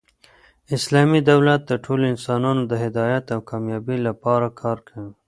اسلامي دولت د ټولو انسانانو د هدایت او کامبابۍ له پاره کار کوي.